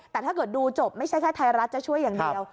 แต่ถ้าเกิดดูจบไม่ใช่แค่ไทยรัฐจะช่วยอย่างเดียว